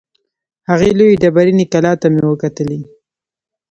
هغې لویې ډبریني کلا ته مې وکتلې.